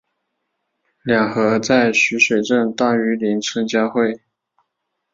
两河在须水镇大榆林村交汇。